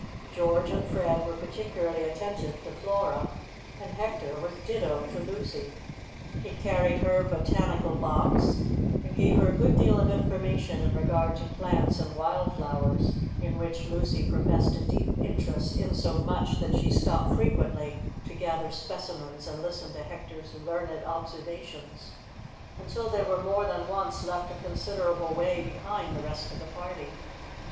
George and Fred were particularly attentive to Flora, and Hector was ditto to Lucy. He carried her botanical box, and gave her a good deal of information in regard to plants and wild flowers, in which Lucy professed a deep interest, insomuch that she stopped frequently to gather specimens and listen to Hector's learned observations, until they were more than once left a considerable way behind the rest of the party.